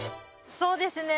そうですね。